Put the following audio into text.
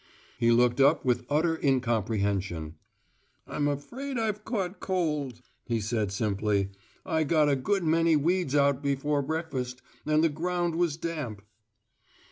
He looked up with utter incomprehension. "I'm afraid I've caught cold," he said, simply. "I got a good many weeds out before breakfast, and the ground was damp."